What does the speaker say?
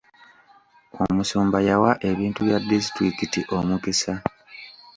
Omusumba yawa ebintu bya disitulikiti omukisa.